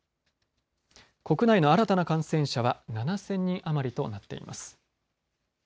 国内の新たな感染者は７０００人余りとなっています。